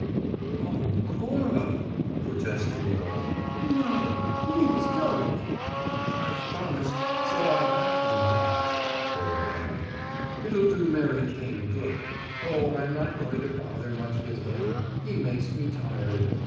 "Oh, Cora," protested Laura, "no! Please don't!" "I've promised; so I'll have to, now." Cora laughed. "It'll do Mary Kane good. Oh, I'm not going to bother much with him he makes me tired.